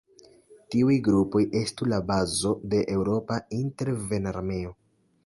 Tiuj grupoj estu la bazo de eŭropa intervenarmeo.